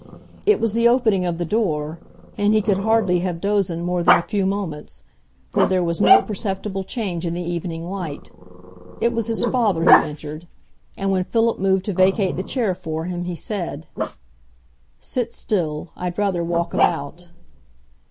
It was the opening of the door, and he could hardly have dozed more than a few moments, for there was no perceptible change in the evening light. It was his father who entered; and when Philip moved to vacate the chair for him, he said,— "Sit still. I'd rather walk about."